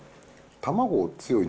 卵、強いね。